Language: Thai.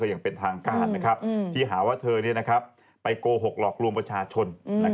อย่างเป็นทางการที่หาว่าเธอไปโกหกหลอกลวงประชาชน